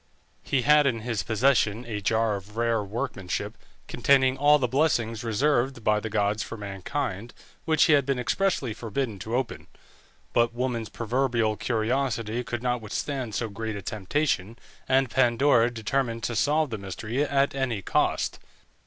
He had in his possession a jar of rare workmanship, containing all the blessings reserved by the gods for mankind, which he had been expressly forbidden to open. But woman's proverbial curiosity could not withstand so great a temptation, and Pandora determined to solve the mystery at any cost.